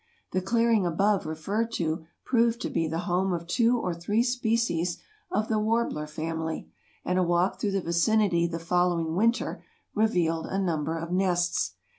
The clearing above referred to proved to be the home of two or three species of the warbler family, and a walk through the vicinity the following winter revealed a number of nests.